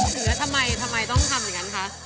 เหลือทำไมทำไมต้องทำอย่างนั้นคะ